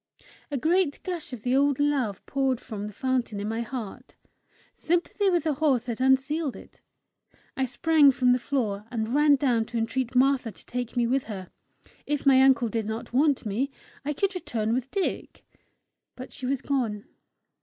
A great gush of the old love poured from the fountain in my heart: sympathy with the horse had unsealed it. I sprang from the floor, and ran down to entreat Martha to take me with her: if my uncle did not want me, I could return with Dick! But she was gone.